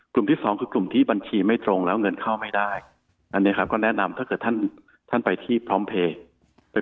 ที่สองคือกลุ่มที่บัญชีไม่ตรงแล้วเงินเข้าไม่ได้อันนี้ครับก็แนะนำถ้าเกิดท่านท่านไปที่พร้อมเพลย์